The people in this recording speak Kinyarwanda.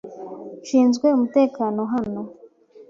Nshinzwe umutekano hano.